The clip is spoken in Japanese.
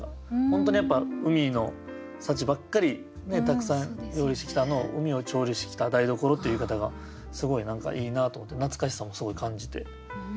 本当にやっぱ海の幸ばっかりたくさん料理してきたのを「海を調理してきた台所」っていう言い方がすごいいいなと思って懐かしさもすごい感じて。